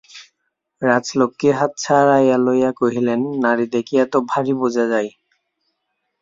রাজলক্ষ্মী হাত ছাড়াইয়া লইয়া কহিলেন, নাড়ী দেখিয়া তো ভারি বোঝা যায়।